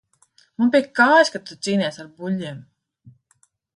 Man pie kājas, ka tu cīnies ar buļļiem!